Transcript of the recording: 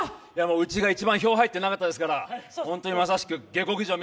うちが一番票入ってなかったですから、まさに下剋上。